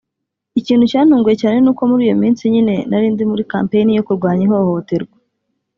Ikintu cyantunguye cyane ni uko muri iyo minsi nyine narindi muri campaign yo kurwanya ihohoterwa